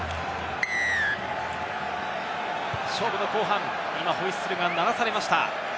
勝負の後半、今、ホイッスルが鳴らされました。